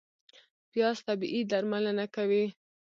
پیاز طبیعي درملنه کوي